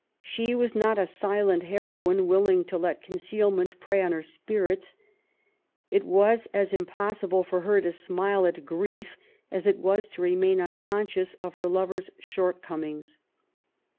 She was not a silent heroine willing to let concealment prey on her spirits. It was as impossible for her to smile at grief as it was to remain unconscious of her lover's shortcomings.